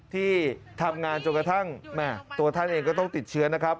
ที่ทำงานจนกระทั่งตัวท่านเองก็ต้องติดเชื้อนะครับ